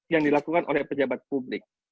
yang dilakukan oleh pejabat publik